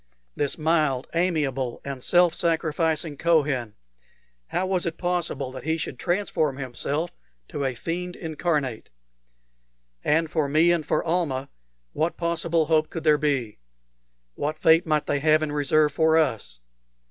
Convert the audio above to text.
This mild, amiable, and self sacrificing Kohen, how was it possible that he should transform himself to a fiend incarnate? And for me and for Almah, what possible hope could there be? What fate might they have in reserve for us?